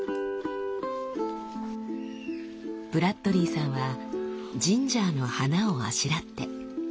ブラッドリーさんはジンジャーの花をあしらって。